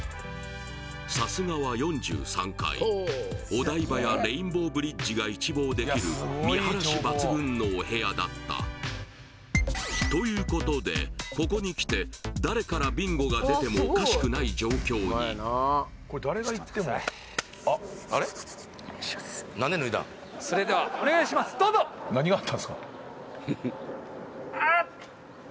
さすがは４３階お台場やレインボーブリッジが一望できる見晴らし抜群のお部屋だったということでここにきて誰からビンゴが出てもおかしくない状況にお願いしますああ！